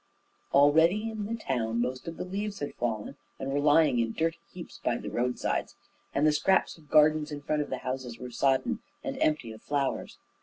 Already in the town most of the leaves had fallen, and were lying in dirty heaps by the roadside, and the scraps of gardens in front of the houses were sodden and empty of flowers.